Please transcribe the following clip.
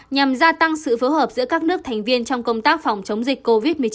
nhằm gia tăng sự phối hợp giữa các nước thành viên trong công tác phòng chống dịch covid một mươi chín